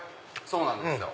そうなんですよ。